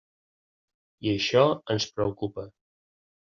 I això ens preocupa.